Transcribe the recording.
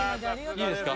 いいですか？